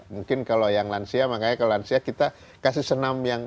mungkin kalau yang lansia makanya kalau lansia kita kasih senam yang